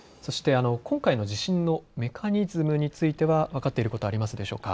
今回の地震のメカニズムについては分かっていること、ありますでしょうか。